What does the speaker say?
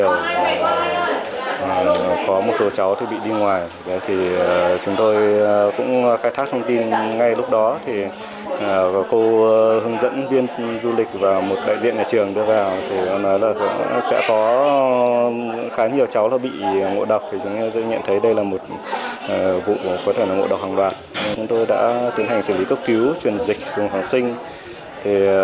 vụ của quân ổn định ngộ độc hàng loạt chúng tôi đã tiến hành xử lý cấp cứu truyền dịch truyền phán sinh